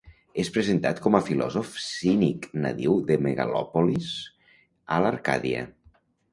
És presentat com a filòsof cínic nadiu de Megalòpolis a l'Arcàdia.